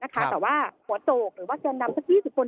แต่ว่าหัวโจกหรือว่าแกนนำสัก๒๐คน